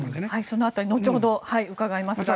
その辺り後ほど伺いますが。